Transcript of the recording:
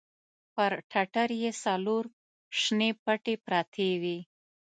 پر ټټر يې څلور شنې پټې پرتې وې.